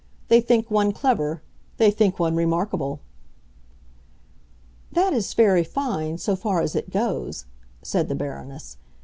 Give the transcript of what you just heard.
They think one clever; they think one remarkable!" "That is very fine, so far as it goes," said the Baroness.